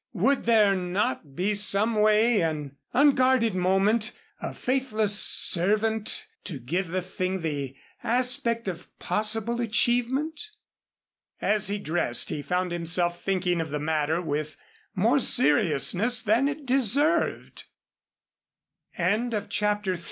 Would there not be some way an unguarded moment a faithless servant to give the thing the aspect of possible achievement? As he dressed he found himself thinking of the matter with more seriousness than it deserved. CHAPTER IV A week ha